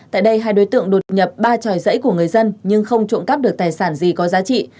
tại đây hai đối tượng đột nhập ba tròi dãy của người dân nhưng không trộm cắp được tài sản gì có giá trị